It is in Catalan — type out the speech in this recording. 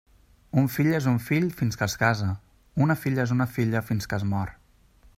Un fill és un fill fins que es casa; una filla és una filla fins que es mor.